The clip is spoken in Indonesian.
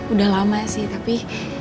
udah lama sih tapi